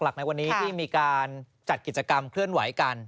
ในวันนี้ที่มีการจัดกิจกรรมเคลื่อนไหวกัน